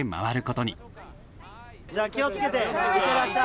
じゃあ気を付けて行ってらっしゃい。